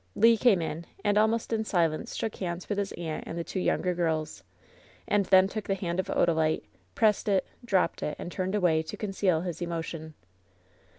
Le came in, and almost in silence shook hands with his aimt and the two younger girls, and then took the hand of Odalite, pressed it, dropped it, and turned away to conceal his emotion.